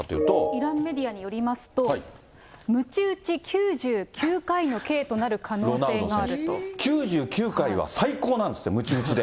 イランメディアによりますと、むち打ち９９回の刑となる可能性９９回は最高なんですって、むち打ちで。